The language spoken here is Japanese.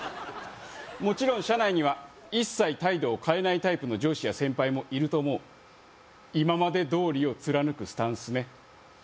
もちろん社内には一切態度を変えないタイプの上司や先輩もいると思う今までどおりを貫くスタンスね